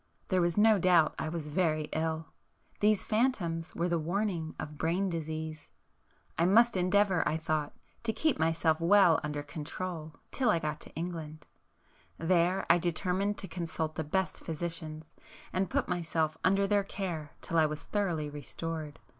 There was no doubt I was very ill;—these phantoms were the warning of brain disease. I must endeavour, I thought, to keep myself well under control till I got to England,—there I determined to consult the best physicians, and put myself under their care till I was thoroughly restored.